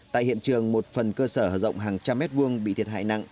tại hiện trường một phần cơ sở rộng hàng trăm mét vuông bị thiệt hại nặng